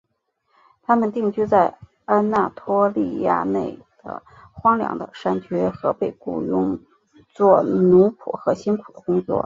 他们定居在安纳托利亚内的荒凉的山区和被雇用作奴仆和辛苦的工作。